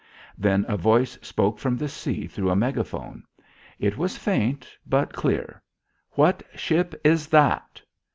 Then a voice spoke from the sea through a megaphone. It was faint but clear. "What ship is that?"